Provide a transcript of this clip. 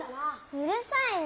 うるさいな。